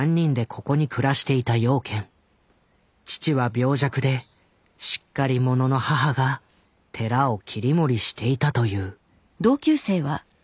父は病弱でしっかり者の母が寺を切り盛りしていたという。